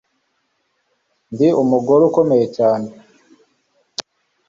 ndi umugore ukomeye cyane